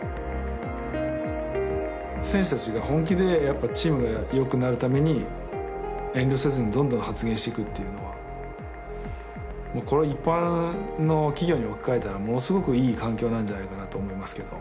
選手たちが本気でチームがよくなるために遠慮せずにどんどん発言していくっていうのはこれを一般の企業に置き換えたらものすごくいい環境なんじゃないかなと思いますけど。